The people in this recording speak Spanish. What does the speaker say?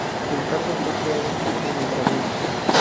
El cargo fue creado con su nombramiento.